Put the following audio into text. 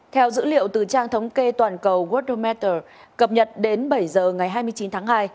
theo dữ liệu từ trang thống kê toàn cầu wordermeter cập nhật đến bảy giờ ngày hai mươi chín tháng hai